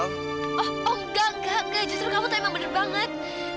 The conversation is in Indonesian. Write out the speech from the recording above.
oh enggak enggak justru kamu tuh emang bener banget